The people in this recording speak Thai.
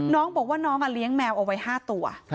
น้องบอกว่าน้องเลี้ยงแมวเอาไว้๕ตัว